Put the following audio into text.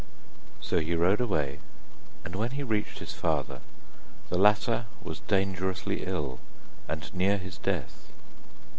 So he rode away, and when he reached his father, the latter was dangerously ill, and near his death.